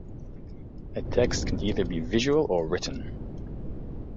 A text can either be visual or written